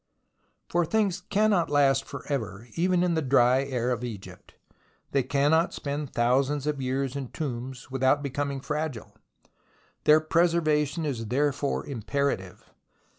For things cannot last for ever, even in the dry air of Egypt. They cannot spend thousands of years in tombs without becoming fragile. Their preservation is therefore imperative.